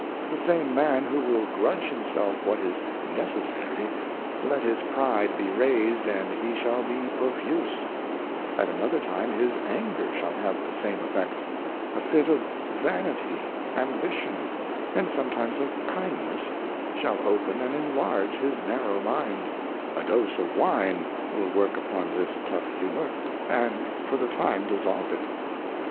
The same Man who will grudge himself what is necessary, let his Pride be raised and he shall he profuse ; at another time his Anger shall have the same effect ; a fit of Vanity, Ambition, and somejimes of Kindness, shall open and inlarge his narrow Mind; fa Dose of Wine will work upon this tough humor, and for the time dissolve it.